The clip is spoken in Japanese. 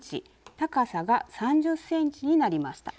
高さが３０ｃｍになりました。